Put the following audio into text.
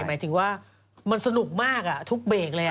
หมายถึงว่ามันสนุกมากทุกเบรกเลย